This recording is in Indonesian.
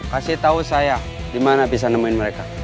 kasih tau saya dimana bisa nemuin mereka